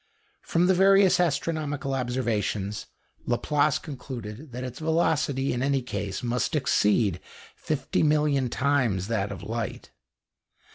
From various astronomical observations, Laplace concluded that its velocity, in any case, must exceed fifty million times that of light.